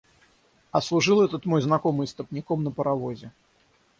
А служил этот мой знакомый истопником на паровозе.